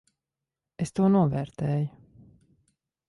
Es to novērtēju.